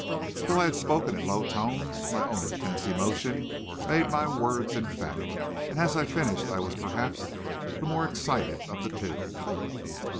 Though I had spoken in low tones, my own intense emotion made my words emphatic, and as I finished I was perhaps the more excited of the two.